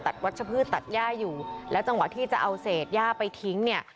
วัชพืชตัดย่าอยู่แล้วจังหวะที่จะเอาเศษย่าไปทิ้งเนี่ย